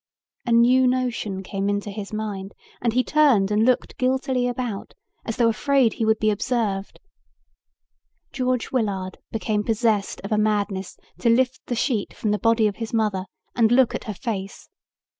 A new notion came into his mind and he turned and looked guiltily about as though afraid he would be observed. George Willard became possessed of a madness to lift the sheet from the body of his mother and look at her face.